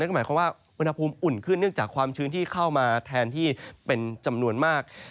ก็หมายความว่าอุณหภูมิอุ่นขึ้นเนื่องจากความชื้นที่เข้ามาแทนที่เป็นจำนวนมาก